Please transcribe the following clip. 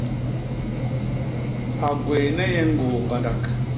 A gwééne nye ñgôô ñgandak.